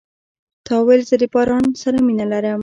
تا ویل زه د باران سره مینه لرم .